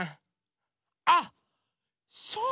あっそうだ！